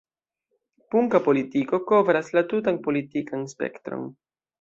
Punka politiko kovras la tutan politikan spektron.